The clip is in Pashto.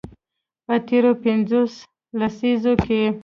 په تیرو پنځو لسیزو کې